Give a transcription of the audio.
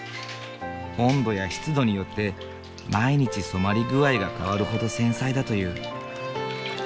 温度や湿度によって毎日染まり具合が変わるほど繊細だという。